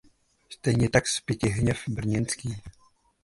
Stejně tak Spytihněv Brněnský.